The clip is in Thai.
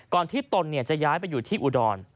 ที่ตนจะย้ายไปอยู่ที่อุดร